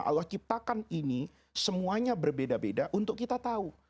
allah ciptakan ini semuanya berbeda beda untuk kita tahu